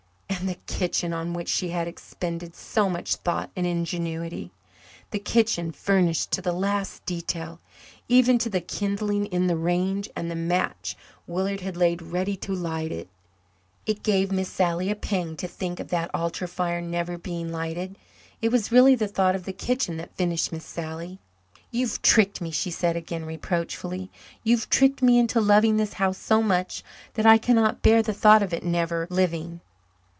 And the kitchen on which she had expended so much thought and ingenuity the kitchen furnished to the last detail, even to the kindling in the range and the match Willard had laid ready to light it! It gave Miss Sally a pang to think of that altar fire never being lighted. It was really the thought of the kitchen that finished Miss Sally. "You've tricked me," she said again reproachfully. "You've tricked me into loving this house so much that I cannot bear the thought of it never living.